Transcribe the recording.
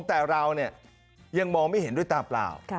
แต่เรายังมองไม่เห็นด้วยตาเปล่า